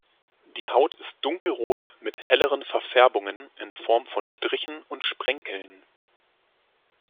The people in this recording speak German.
Die Haut ist dunkelrot mit helleren Verfärbungen in Form von Strichen und Sprenkeln.